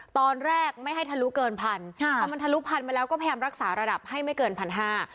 ตอนแรกไม่ให้ทะลุเกินพันค่ะพอมันทะลุพันมาแล้วก็พยายามรักษาระดับให้ไม่เกินพันห้า